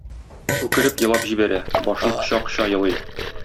Үкереп елап җибәрә, башын коча-коча елый.